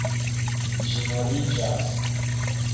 Ĝi moliĝas.